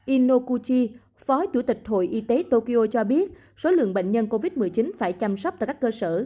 innokuchi phó chủ tịch hội y tế tokyo cho biết số lượng bệnh nhân covid một mươi chín phải chăm sóc tại các cơ sở